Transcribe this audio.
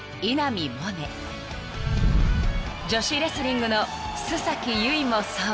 ［女子レスリングの須優衣もそう］